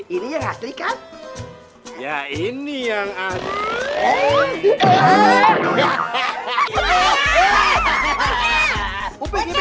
ini yang asli kan ya ini yang asli